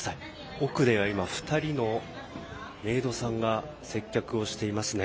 奥では今２人のメイドさんが接客をしていますね。